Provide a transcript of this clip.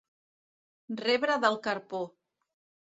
Rebre del carpó.